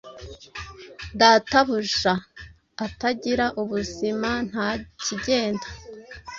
Databuja atagira ubuzimantakigenda